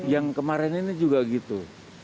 yang kemarin ini juga gitu